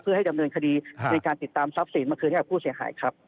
เพื่อให้ดำเนินคดีในการติดตามทรัพย์สินมาคืนให้กับผู้เสียหายครับ